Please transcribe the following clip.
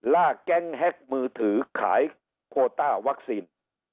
แก๊งแฮ็กมือถือขายโคต้าวัคซีน